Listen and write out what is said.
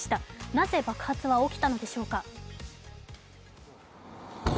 なぜ、爆発は起きたのでしょうか？